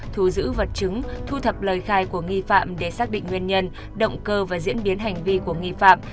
thu giữ vật chứng thu thập lời khai của nghi phạm để xác định nguyên nhân động cơ và diễn biến hành vi của nghi phạm